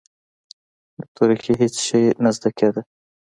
د تورکي هېڅ شى نه زده کېده.